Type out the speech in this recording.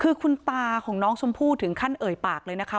คือคุณตาของน้องชมพู่ถึงขั้นเอ่ยปากเลยนะคะ